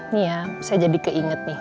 nih ya saya jadi keinget nih